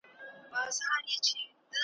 په غزل کي مي هر توری نا آرام سو ,